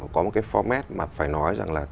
có một cái format mà phải nói rằng là